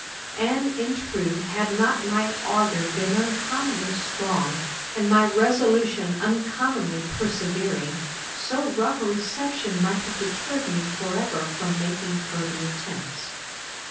And, in truth, had not my ardour been uncommonly strong, and my resolution uncommonly persevering, so rough a reception might have deterred me for ever from making any further attempts.